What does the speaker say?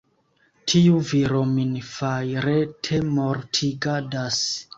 Tiu viro min fajrete mortigadas.